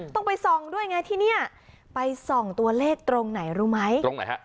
ต้องไปส่องด้วยไงที่นี่ไปส่องตัวเลขตรงไหนรู้ไหม